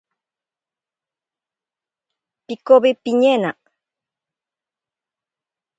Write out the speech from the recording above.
Pikowi piñena.